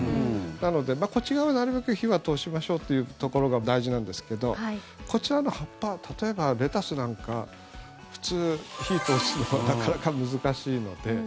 なので、こっち側はなるべく火は通しましょうというところが大事なんですけどこちらの葉っぱ例えばレタスなんか普通、火を通すのはなかなか難しいので。